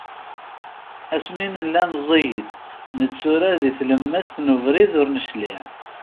Asmi nella meẓẓiyit netturar di tlemmast n ubrid, ur necliε.